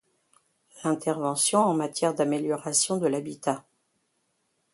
L'intervention en matière d'amélioration de l'habitat.